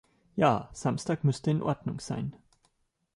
Ja, Samstag müsste in Ordnung sein.